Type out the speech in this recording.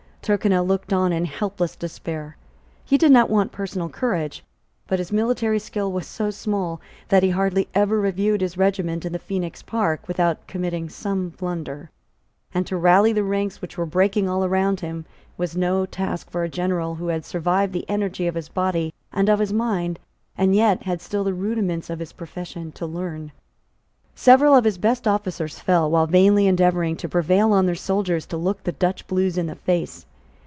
Tyrconnel looked on in helpless despair. He did not want personal courage; but his military skill was so small that he hardly ever reviewed his regiment in the Phoenix Park without committing some blunder; and to rally the ranks which were breaking all round him was no task for a general who had survived the energy of his body and of his mind, and yet had still the rudiments of his profession to learn. Several of his best officers fell while vainly endeavouring to prevail on their soldiers to look the Dutch Blues in the face.